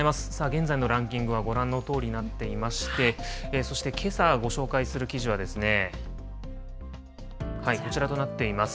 現在のランキングはご覧のとおりになっていまして、そしてけさ、ご紹介する記事はですね、こちらとなっています。